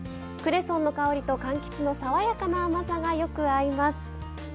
クレソンの香りとかんきつの爽やかな甘さがよく合います。